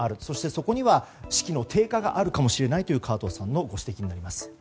そして、そこには士気の低下があるかもしれないという河東さんのご指摘です。